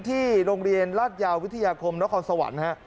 ที่โรงเรียนราชยาววิทยาคมนครสวรรค์ฮะ